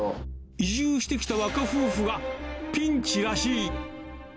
移住してきた若夫婦はピンチらしい。